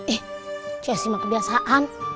eh cesi mah kebiasaan